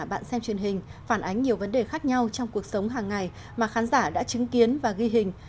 bạn xem truyền hình phản ánh nhiều vấn đề khác nhau trong cuộc sống hàng ngày mà khán giả đã chứng kiến và ghi hình